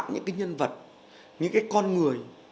những nhân vật những con người